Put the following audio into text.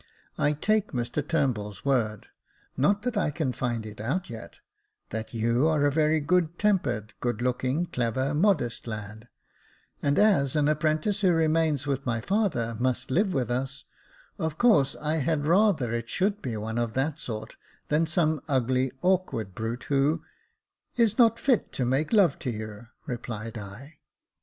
I take Mr Turnbull's word, not that I can find it out yet, that you are a very good tempered, good looking, clever, modest lad ; and as an apprentice who remains with my father must live with us, of course I had rather it should be one of that sort than some ugly, awkward brute who "" Is not fit to make love to you," replied I.